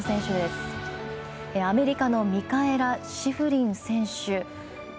アメリカのミカエラ・シフリン選手。